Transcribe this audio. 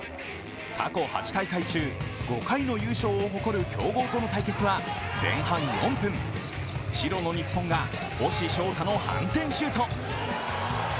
過去８大会中、５回の優勝を誇る強豪との対決は前半４分、白の日本が星翔太の反転シュート。